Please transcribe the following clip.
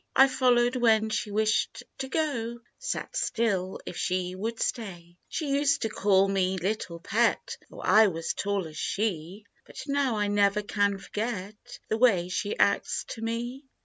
I followed when she wished to go; Sat still if she would stay, " She used to call me 4 Little Pet/ Though I was tall as she; But now I never can forget The way she acts to me!